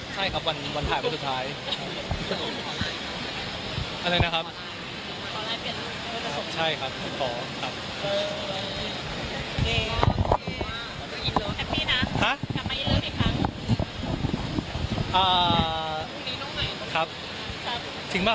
ทั้งเรื่องถ่ายไปกันมาดีก็ได้มีไลน์ต่อวันถ่ายไปสุดท้าย